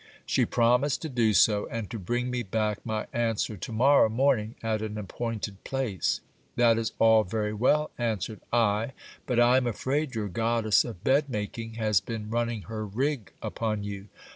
She promised to do so, and to bring me back my answer to morrow morning at an appointed place. That is all very well, answered I ; but I am afraid your goddess of bed making has been running her rig upon you.